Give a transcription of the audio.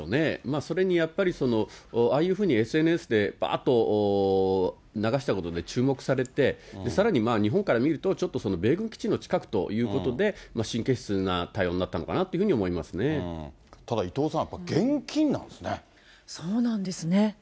それにやっぱり、ああいうふうにＳＮＳでぱーっと流したことで、注目されて、さらに日本から見ると、ちょっと米軍基地の近くということで、神経質な対応になったのかただ伊藤さん、現金なんですそうなんですね。